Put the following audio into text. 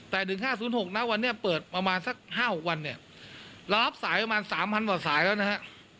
แต่๑๕๐๖นะวันนี้เปิดประมาณสัก๕๖วันเนี่ยเรารับสายประมาณ๓๐๐กว่าสายแล้วนะฮะ